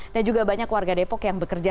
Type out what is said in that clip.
dan juga banyak warga depok yang bekerja